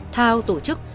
thao tổ chức